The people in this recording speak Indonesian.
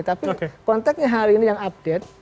tapi konteknya hari ini yang update